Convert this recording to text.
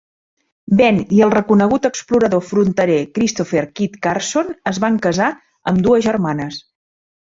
Bent i el reconegut explorador fronterer Christopher "Kit" Carson es van casar amb dues germanes.